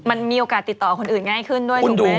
มันมีโอกาสติดต่อคนอื่นง่ายขึ้นด้วยถูกไหม